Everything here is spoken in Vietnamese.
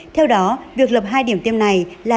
theo đó việc lập hai điểm tiêm này là